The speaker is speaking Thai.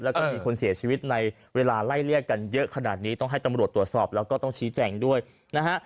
แล้วก็มีคนเสียชีวิตในเวลาไล่เรียกกันเยอะขนาดนี้ต้องให้ตำรวจตรวจสอบแล้วก็ต้องชี้แจงด้วยนะฮะ